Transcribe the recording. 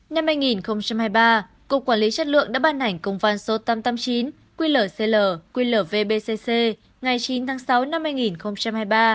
năm hai nghìn hai mươi ba cục quản lý chất lượng đã ban hành công văn số ba trăm tám mươi chín quy lở cl quy lở vbcc ngày chín tháng sáu năm hai nghìn hai mươi ba